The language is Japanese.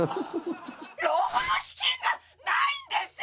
老後の資金がないんです！